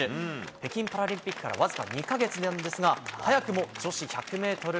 北京パラリンピックから僅か５か月なんですが、早くも女子１００メートル